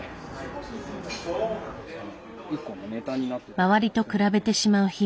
周りと比べてしまう日々。